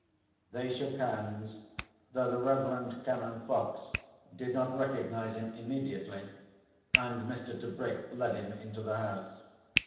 They shook hands, though the Rev. Canon Fox did not recognise him immediately, and Mr. Tebrick led him into the house.